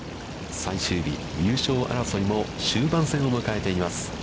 最終日、優勝争いも終盤戦を迎えています。